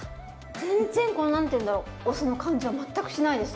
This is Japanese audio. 全然この何ていうんだろうお酢の感じは全くしないですね。